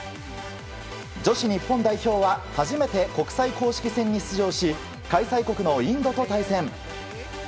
女子日本代表は初めて国際公式戦に出場し開催国のインドと対戦。